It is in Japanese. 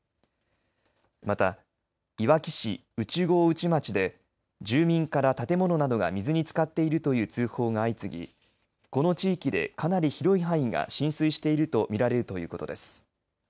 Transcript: また、いわき市内郷内町で住民から建物などが水につかっているという通報が相次ぎこの地域でかなり広い範囲が浸水していると見られるということです。